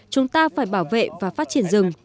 chúng ta phải bảo vệ và phát triển rừng